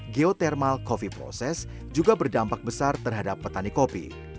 geotermal coffee process juga berdampak besar terhadap petani kopi